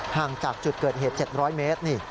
ห่างจากจุดเกิดเหตุ๗๐๐เมตร